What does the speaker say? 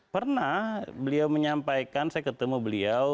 pernah beliau menyampaikan saya ketemu beliau